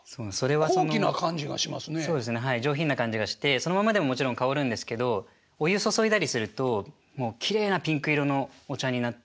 そのままでももちろん香るんですけどお湯注いだりするともうきれいなピンク色のお茶になって。